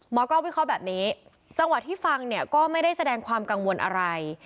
วิเคราะห์แบบนี้จังหวะที่ฟังเนี่ยก็ไม่ได้แสดงความกังวลอะไร